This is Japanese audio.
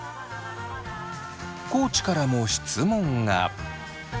地からも質問が。